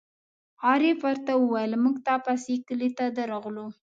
عارف ور ته وویل: مونږ تا پسې کلي ته درغلو.